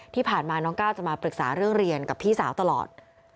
ที่ผ่านมาน้องก้าวจะมาปรึกษาเรื่องเรียนกับพี่สาวตลอด